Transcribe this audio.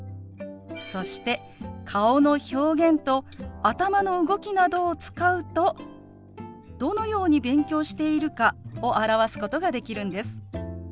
そして顔の表現と頭の動きなどを使うとどのように勉強しているかを表すことができるんです。